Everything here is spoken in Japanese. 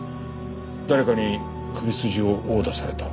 誰かに首筋を殴打された。